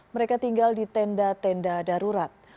mereka tinggal di tenda tenda darurat